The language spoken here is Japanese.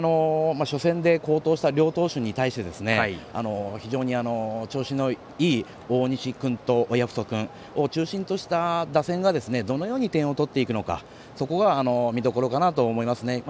初戦、好投した両投手に非常に調子のいい大西君と親富祖君を中心とした打線がどのように点を取っていくのかそこが見どころかなと思いますね。